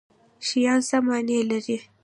شیان څه معنی لري